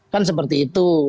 kan seperti itu